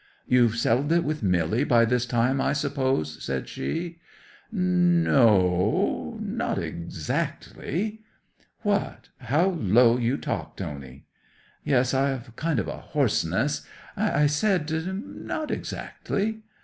'"You've settled it with Milly by this time, I suppose," said she. '"N no, not exactly." '"What? How low you talk, Tony." '"Yes—I've a kind of hoarseness. I said, not exactly."